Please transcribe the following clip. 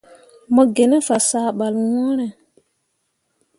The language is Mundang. Mo gi ne fasah ɓal ŋwǝǝre.